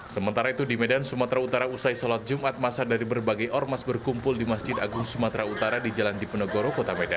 sementara itu di medan sumatera utara usai sholat jumat masa dari berbagai ormas berkumpul di masjid agung sumatera utara di jalan dipenegoro kota medan